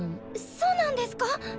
そうなんですか！？